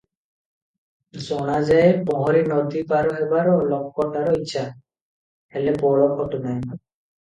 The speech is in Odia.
ଜଣାଯାଏ ପହଁରି ନଦୀପାର ହେବାର ଲୋକଟାର ଇଚ୍ଛା, ହେଲେ ବଳ ଖଟୁ ନାହିଁ ।